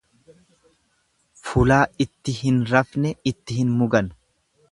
Fulaa itti hin rafne itti hin mugan.